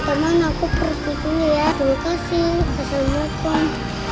teman teman aku pergi dulu ya terima kasih assalamualaikum